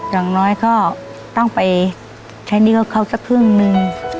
อย่างน้อยก็ต้องไปใช้หนี้กับเขาสักครึ่งหนึ่ง